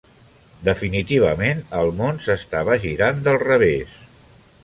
Definitivament el món s'estava girant del revés.